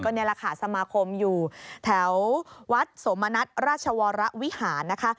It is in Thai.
นี่แหละค่ะสมาคมอยู่แถววัดสมณัฐราชวรวิหารนะคะ